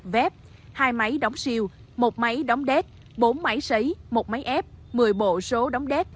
vép hai máy đóng siêu một máy đóng đét bốn máy xấy một máy ép một mươi bộ số đóng đét